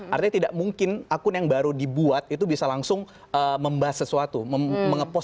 artinya tidak mungkin akun yang baru dibuat itu bisa langsung membahas sesuatu mengepost